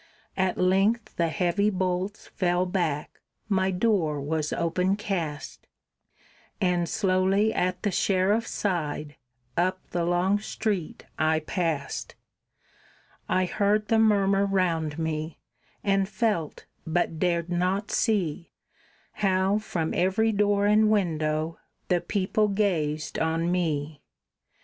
At length the heavy bolts fell back, my door was open cast, And slowly at the sheriff's side, up the long street I passed; I heard the murmur round me, and felt, but dared not see, How, from every door and window, the people gazed on me.